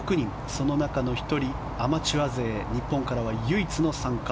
その中の１人、アマチュア勢日本からは唯一の参加